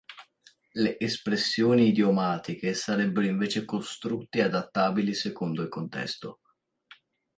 Le espressioni idiomatiche sarebbero invece costrutti adattabili secondo il contesto.